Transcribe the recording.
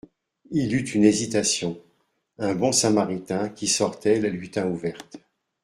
Il eut une hésitation. Un bon samaritain qui sortait la lui tint ouverte.